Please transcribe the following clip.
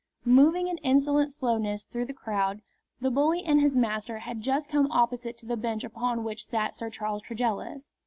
Moving in insolent slowness through the crowd, the bully and his master had just come opposite to the bench upon which sat Sir Charles Tregellis.